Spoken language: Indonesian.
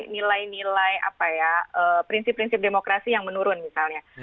nilai nilai prinsip prinsip demokrasi yang menurun misalnya